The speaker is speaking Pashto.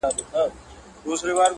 چي وو به نرم د مور تر غېږي -